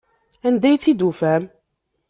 Anda ay tt-id-tufam?